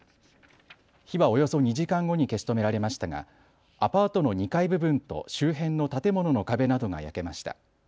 火はおよそ２時間後に消し止められましたがアパートの２階部分と周辺の建物の壁などが焼けました。